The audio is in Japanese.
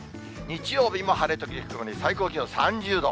日曜日も晴れ時々曇り、最高気温３０度。